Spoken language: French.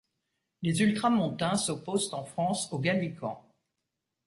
Les ultramontains s'opposent, en France, aux gallicans.